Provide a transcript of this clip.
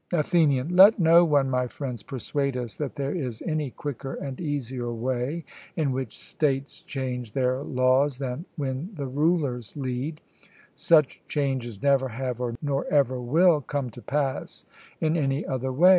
ATHENIAN: Let no one, my friends, persuade us that there is any quicker and easier way in which states change their laws than when the rulers lead: such changes never have, nor ever will, come to pass in any other way.